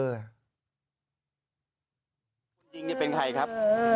จริงนี่เป็นใครครับ